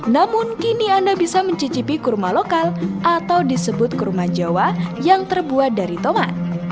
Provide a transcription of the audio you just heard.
namun kini anda bisa mencicipi kurma lokal atau disebut kurma jawa yang terbuat dari tomat